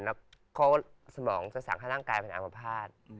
แล้วเขาสมองจะสั่งให้ร่างกายเป็นอามภาษณ์